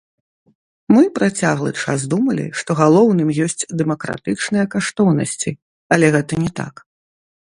Мы працяглы час думалі, што галоўным ёсць дэмакратычныя каштоўнасці, але гэта не так.